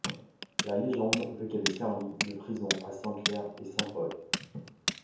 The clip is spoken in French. La légende veut quelle ait servi de prison à saint Pierre et saint Paul.